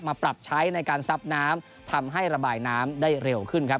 ปรับใช้ในการซับน้ำทำให้ระบายน้ำได้เร็วขึ้นครับ